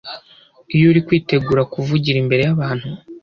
Iyo uri kwitegura kuvugira imbere y’abantu